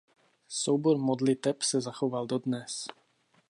Soubor modliteb se dochoval dodnes.